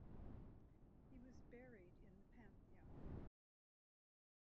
He was buried in the Pantheon.